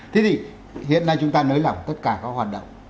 thế thì hiện nay chúng ta nới lỏng tất cả các hoạt động